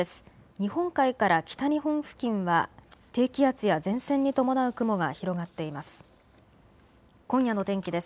日本海から北日本付近は低気圧や前線に伴う雲が広がっています。